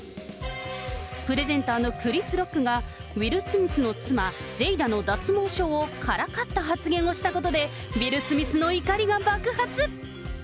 プレゼンターのクリス・ロックが、ウィル・スミスの妻、ジェイダの脱毛症をからかった発言をしたことで、ウィル・スミスの怒りが爆発。